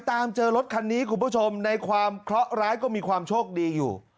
ตามเจอรถคันนี้คุณผู้ชมในความเคราะห์ร้ายก็มีความโชคดีอยู่